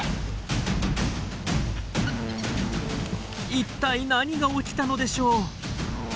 一体何が起きたのでしょう？